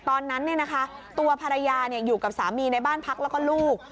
ตอนนั้นตัวภรรยาอยู่กับสามีในบ้านพักแล้วก็ลูก